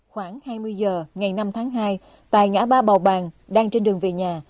khoảng hai mươi giờ ngày năm tháng hai tại ngã ba bầu bàng đang trên đường về nhà